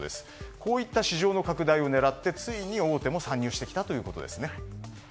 こういった市場の拡大を狙ってついに大手も参入してきたということですね。